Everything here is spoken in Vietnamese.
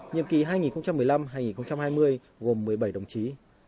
nhiệm kỳ hai nghìn một mươi năm hai nghìn hai mươi gồm một mươi bảy đồng chí